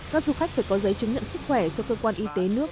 các du khách phải có giấy chứng nhận sức khỏe do cơ quan y tế nước